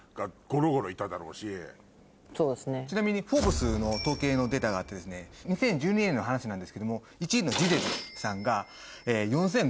ちなみに『Ｆｏｒｂｅｓ』の統計のデータがあってですね２０１２年の話なんですけども１位のジゼルさんが４５００万ドル。